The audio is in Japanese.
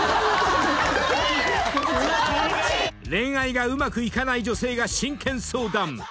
［恋愛がうまくいかない女性が真剣相談。